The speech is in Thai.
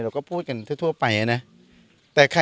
เราก็พูดกันทั่วไปนะ